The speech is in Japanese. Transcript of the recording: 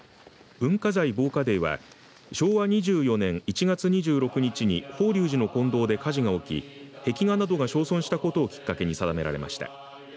文化財防火デーは昭和２４年１月２６日に法隆寺の金堂で火事が起き壁画などが焼損したことをきっかけに定められました。